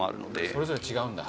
それぞれ違うんだ。